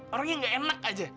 orangnya nggak enak aja